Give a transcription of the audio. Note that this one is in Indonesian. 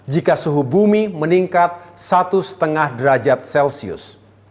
jika suhu bumi meningkat satu lima derajat celcius